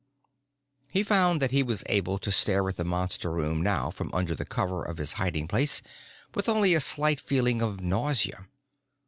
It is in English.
He found that he was able to stare at the Monster room now from under the cover of his hiding place with only a slight feeling of nausea.